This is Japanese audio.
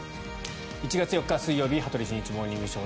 １月４日、水曜日「羽鳥慎一モーニングショー」。